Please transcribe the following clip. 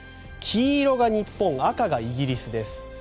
黄色が日本、赤がイギリスです。